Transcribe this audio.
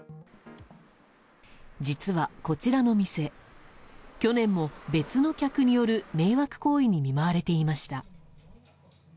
実は、こちらの店去年も別の客による迷惑行為に見舞われていました。